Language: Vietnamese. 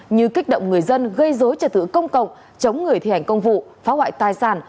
như kích động người dân gây dối trật tự công cộng chống người thi hành công vụ phá hoại tài sản